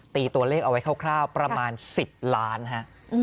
ตีตัวเลขเอาไว้คร่าวประมาณ๑๐ล้านฮะ